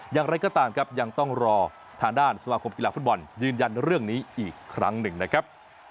อย่างไรก็ตามครับยังต้องรอทางด้านสมาคมกีฬาฟุตบอลยืนยันเรื่องนี้อีกครั้งหนึ่งนะครับ